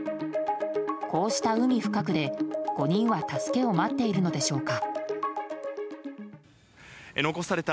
こうした海深くで５人は助けを待っているのでしょうか。